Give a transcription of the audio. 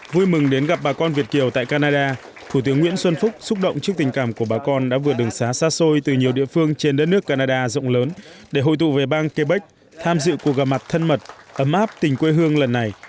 vui mừng đến gặp bà con việt kiều tại canada thủ tướng nguyễn xuân phúc xúc động trước tình cảm của bà con đã vượt đường xá xa xôi từ nhiều địa phương trên đất nước canada rộng lớn để hội tụ về bang quebec tham dự cuộc gặp mặt thân mật ấm áp tình quê hương lần này